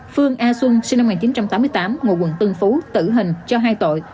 phương a xuân sinh năm một nghìn chín trăm tám mươi tám ngụ quận tân phú tử hình cho hai tội